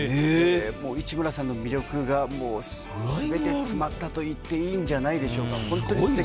市村さんの魅力が全て詰まったと言っていいんじゃないでしょうか。